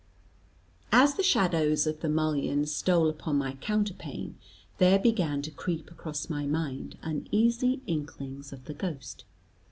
As the shadows of the mullions stole upon my counterpane, there began to creep across my mind uneasy inklings of the ghost.